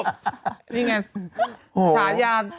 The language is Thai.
นี่ไงฉายาน